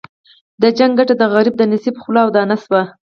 د جګړې ګټه د غرب د نصیب خوله او دانه شوه.